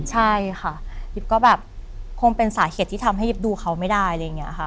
ใช่ค่ะยิบก็แบบคงเป็นสาเหตุที่ทำให้ยิบดูเขาไม่ได้อะไรอย่างนี้ค่ะ